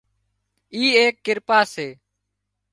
اي ايڪ ڪرپا سي